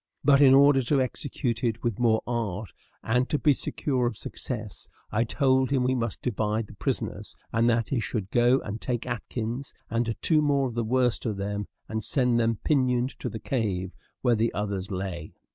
But, in order to execute it with more art, and to be secure of success, I told him we must divide the prisoners, and that he should go and take Atkins, and two more of the worst of them, and send them pinioned to the cave where the others lay.